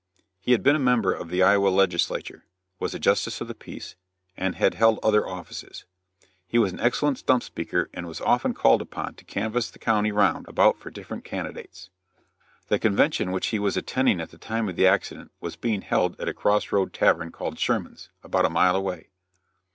He had been a member of the Iowa legislature, was a Justice of the Peace, and had held other offices. He was an excellent stump speaker and was often called upon to canvass the country round about for different candidates. The convention which he was attending at the time of the accident was being held at a cross road tavern called "Sherman's," about a mile away.